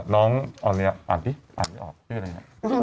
น้องอันนี้อ่านดิอ่านดิออกชื่ออะไรนะ